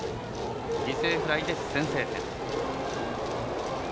犠牲フライで先制点。